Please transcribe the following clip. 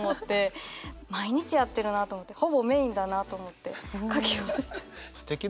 毎日やってるなと思ってほぼメインだなと思って書きました。